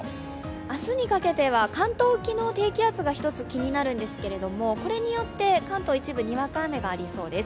明日にかけては関東沖の低気圧が気になるんですけどこれによって、関東一部にわか雨がありそうです。